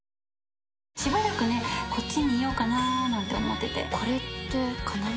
しばらくね、こっちにいようかななんて思ってて。